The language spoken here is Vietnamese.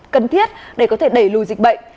cần thiết để có thể đẩy lùi dịch bệnh